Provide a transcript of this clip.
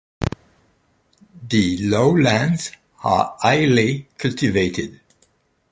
The lowlands are highly cultivated.